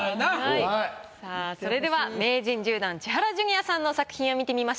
さあそれでは名人１０段千原ジュニアさんの作品を見てみましょう。